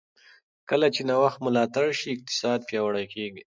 کله چې نوښت ملاتړ شي، اقتصاد پیاوړی کېږي.